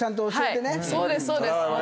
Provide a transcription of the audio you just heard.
そうですそうです。